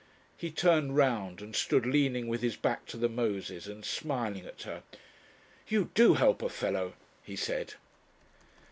He turned round and stood leaning with his back to the Moses, and smiling at her. "You do help a fellow," he said.